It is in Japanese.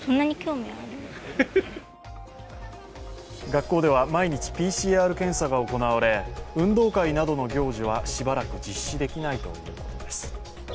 学校では毎日、ＰＣＲ検査が行われ、運動会などの行事はしばらく実施できないということです。